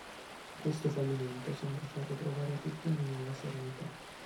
Questo fallimento sembra far ritrovare a tutti una nuova serenità.